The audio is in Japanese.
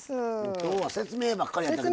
今日は説明ばっかりやったけど。